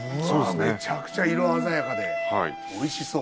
めちゃくちゃ色鮮やかでおいしそう。